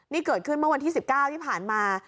นี่เกิดขึ้นเมื่อวันที่๑๙ที่ผ่านมา